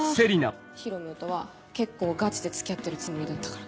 ヒロムーとは結構ガチで付き合ってるつもりだったから。